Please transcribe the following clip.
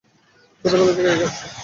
ছোটবেলা থেকে রেখে আসছি।